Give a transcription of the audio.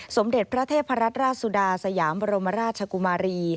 สมเด็จพระเทพรัตนราชสุดาสยามบรมราชกุมารี